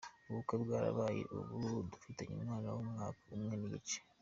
Ubukwe bwarabaye ubu dufitanye umwana w’umwaka umwe n’igice.